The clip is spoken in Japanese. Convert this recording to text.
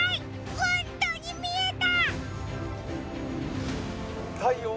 本当に見れた。